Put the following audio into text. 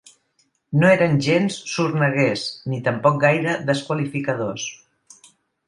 No eren gens sorneguers ni tampoc gaire desqualificadors.